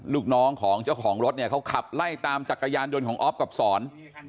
ลูกน้องของเจ้าของรถเนี่ยเขาขับไล่ตามจักรยานยนต์ของอ๊อฟกับสอน